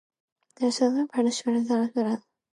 When a slider is pushed in, the corresponding pipe sounds.